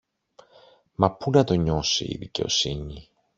Μα πού να το νιώσει η δικαιοσύνη!